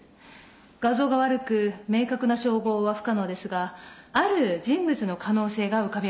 画像が悪く明確な照合は不可能ですがある人物の可能性が浮かび上がりました。